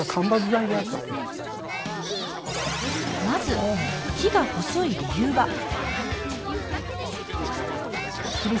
まず木が細い理由は？